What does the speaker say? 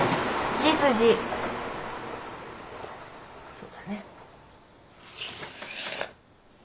そうだね。